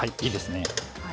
いいですね。